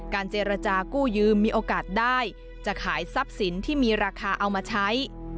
เจรจากู้ยืมมีโอกาสได้จะขายทรัพย์สินที่มีราคาเอามาใช้